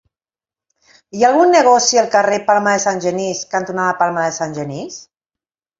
Hi ha algun negoci al carrer Palma de Sant Genís cantonada Palma de Sant Genís?